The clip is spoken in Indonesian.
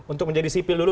untuk menjadi sipil dulu